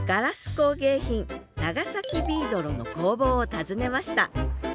工芸品長崎ビードロの工房を訪ねました